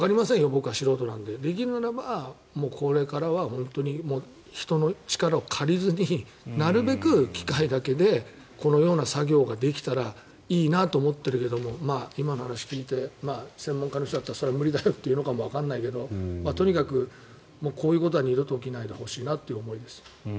僕は素人なのでできるならば、これからは人の力を借りずになるべく機械だけでこのような作業ができたらいいなと思っているけれども今の話を聞いて専門家の人だったらそれは無理だよって言うのかもわからないけどとにかくこういうことは二度と起きないでほしいなという思いです。